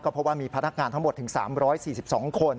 เพราะว่ามีพนักงานทั้งหมดถึง๓๔๒คน